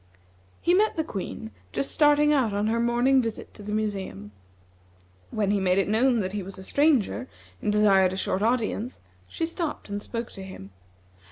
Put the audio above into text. He met the Queen just starting out on her morning visit to the museum. When he made it known that he was a stranger, and desired a short audience, she stopped and spoke to him.